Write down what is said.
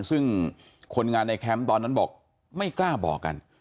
ซึ่งคนงานในแคมป์ตอนนั้นบอกไม่กล้าบอกกัน